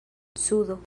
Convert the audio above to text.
sudo